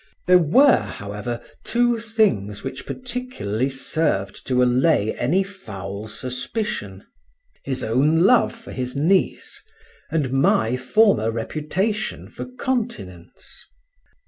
There were, however, two things which particularly served to allay any foul suspicion: his own love for his niece, and my former reputation for continence.